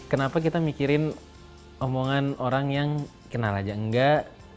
kenapa kita mikirin omongan orang yang kenal aja enggak